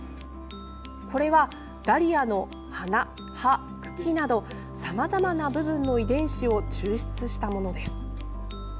これはダリアの花、葉、茎などさまざまな部分の遺伝子を抽出したものです。